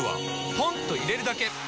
ポンと入れるだけ！